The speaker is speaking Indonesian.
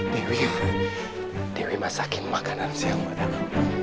dewi dewi masakin makanan siang buat aku